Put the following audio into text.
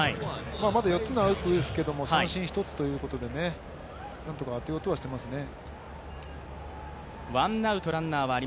まだ４つのアウトですけど、三振１つということで何とか当てようとはしていますね。